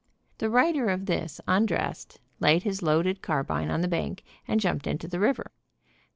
The writer of this undressed, laid his loaded carbine on the bank and jumped in the river.